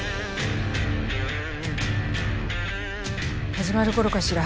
始まる頃かしら？